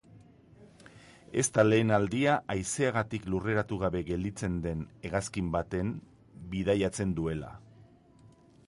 Ez da lehen aldia haizeagatik lurreratu gabe gelditzen den hegazkin baten bidatzen duela.